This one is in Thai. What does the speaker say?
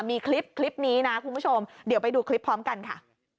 มีคลิปนี้นะคุณผู้ชมเดี๋ยวไปดูคลิปพร้อมกันค่ะ